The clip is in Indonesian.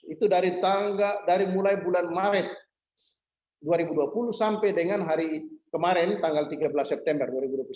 itu dari mulai bulan maret dua ribu dua puluh sampai dengan hari kemarin tanggal tiga belas september dua ribu dua puluh